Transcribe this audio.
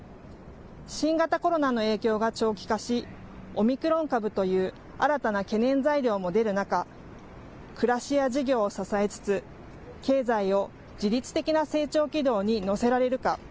新型コロナの影響が長期化しオミクロン株という新たな懸念材料も出る中、暮らしや事業を支えつつ経済を自律的な成長軌道に乗せられるか。